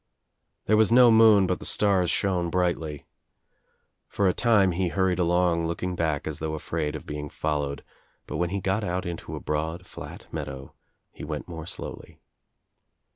There was no moon but the stars shone brightly. For a time he hurried along looking back as though afraid of being followed, but when he got out into a broad flat meadow he went more slowly.